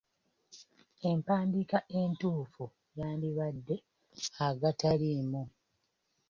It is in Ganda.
Empandiika entuufu yandibadde "agataliimu"